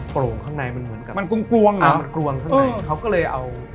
โปร่งข้างในมันเหมือนกับมันกลวงเหรอมันกลวงข้างในเขาก็เลยเอา